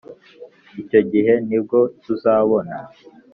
icyo gihe ni bwo tuzabona